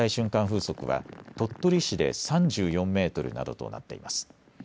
風速は鳥取市で３４メートルなどとなっています。